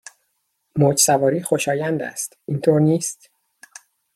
موج سواری خوشایند است، اینطور نیست؟